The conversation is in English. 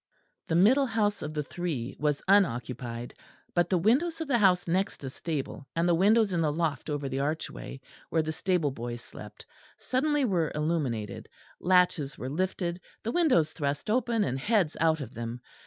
The middle house of the three was unoccupied; but the windows of the house next the stable, and the windows in the loft over the archway, where the stable boys slept, suddenly were illuminated; latches were lifted, the windows thrust open and heads out of them.